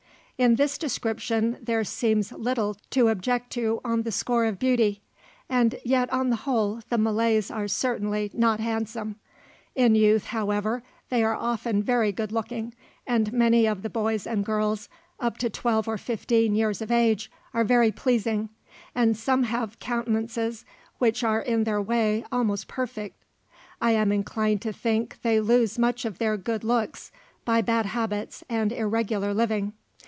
In this description there seems little to object to on the score of beauty, and yet on the whole the Malays are certainly not handsome. In youth, however, they are often very good looking, and many of the boys and girls up to twelve or fifteen years of age are very pleasing, and some have countenances which are in their way almost perfect. I am inclined to think they lose much of their good looks by bad habits and irregular living.